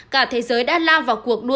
cả thế giới đã lao vào cuộc đua